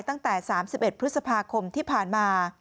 ตั้งแต่๓๑พฤษภาคมที่ผ่านมา